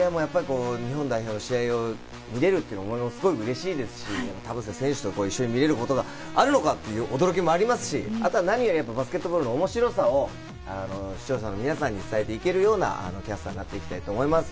日本代表の試合を見れるっていうのは、すごいうれしいですし、田臥選手と一緒に見れることがあるのかっていう驚きもありますし、何よりバスケットボールの面白さを視聴者の皆さんに伝えていけるようなキャスターになっていきたいと思います。